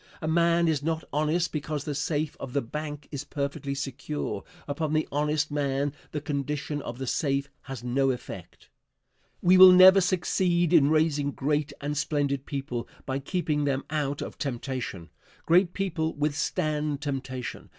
A man is not honest because the safe of the bank is perfectly secure. Upon the honest man the condition of the safe has no effect. We will never succeed in raising great and splendid people by keeping them out of temptation. Great people withstand temptation.